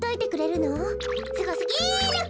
すごすぎる！